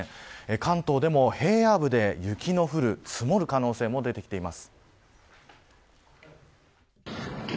関東でも平野部で雪の降る積もる可能性も出てきています。